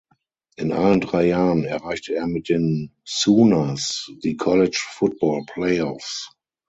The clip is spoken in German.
In allen drei Jahren erreichte er mit den Sooners die College Football Playoffs.